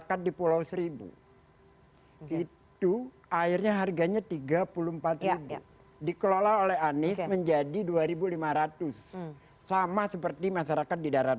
ini soal gagasan ini kemarin menyampaikan sindiran